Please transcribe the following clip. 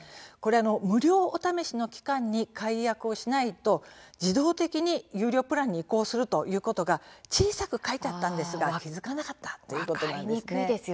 無料お試しの期間に解約をしないと自動的に有料プランに移行することが小さく書いてあったんですが気付かなかったということなんです。